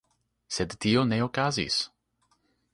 Sed tio ne okazis.